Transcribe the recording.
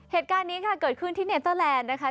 เหตุการณ์นี้ค่ะเกิดขึ้นที่เนเตอร์แลนด์นะคะ